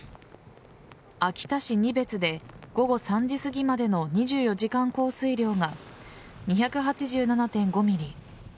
秋田市仁別で午後３時すぎまでの２４時間降水量が２８７．５ｍｍ